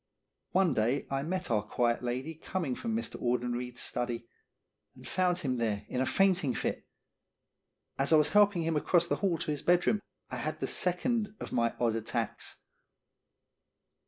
One day I met our quiet lady coming from Mr. Audenried's study, and found him there in a fainting fit. As I was helping him across the hall to his bedroom I had the second of my odd attacks.